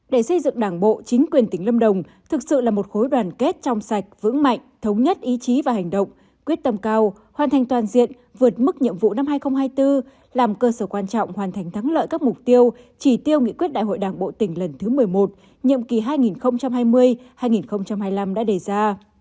để xây dựng đảng bộ chính quyền tỉnh lâm đồng thực sự là một khối đoàn kết trong sạch vững mạnh thống nhất ý chí và hành động quyết tâm cao hoàn thành toàn diện vượt mức nhiệm vụ năm hai nghìn hai mươi bốn làm cơ sở quan trọng hoàn thành thắng lợi các mục tiêu chỉ tiêu nghị quyết đại hội đảng bộ tỉnh lần thứ một mươi một nhiệm kỳ hai nghìn hai mươi hai nghìn hai mươi năm đã đề ra